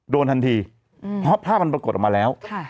โดนทันทีเพราะภาพมันปรากฏออกมาแล้ว